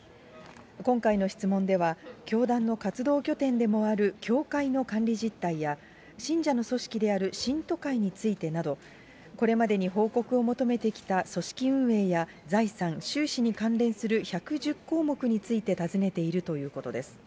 今回の質問では、教団の活動拠点でもある教会の管理実態や、信者の組織である信徒会についてなど、これまでに報告を求めてきた組織運営や財産、収支に関連する１１０項目について尋ねているということです。